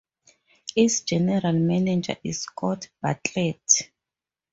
Its general manager is Scott Bartlett.